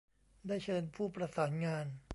ได้เชิญผู้ประสานงาน